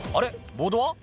ボードは？」